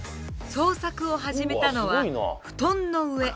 創作を始めたのは布団の上。